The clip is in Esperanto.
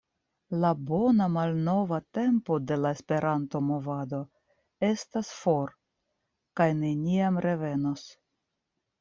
la “bona malnova tempo” de la Esperanto-movado estas for kaj neniam revenos.